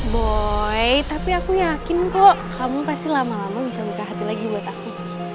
boy tapi aku yakin kok kamu pasti lama lama bisa menikah hati lagi buat aku